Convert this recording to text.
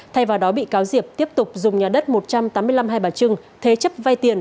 thay vào đó bị cáo diệp tiếp tục dùng nhà đất một trăm tám mươi năm hai bà trưng thế chấp vay tiền